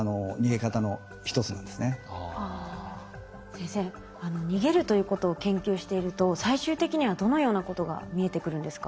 先生逃げるということを研究していると最終的にはどのようなことが見えてくるんですか？